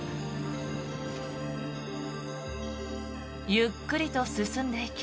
ゆっくりと進んでいき